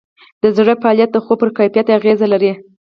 د زړه فعالیت د خوب پر کیفیت اغېز لري.